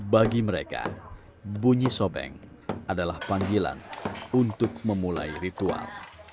bagi mereka bunyi sobeng adalah panggilan untuk memulai ritual